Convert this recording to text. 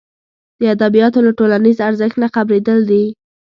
د ادبیاتو له ټولنیز ارزښت نه خبرېدل دي.